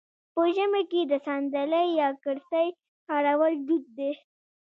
په ژمي کې د ساندلۍ یا کرسۍ کارول دود دی.